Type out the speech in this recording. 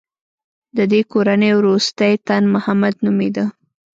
د دې کورنۍ وروستی تن محمد نومېده.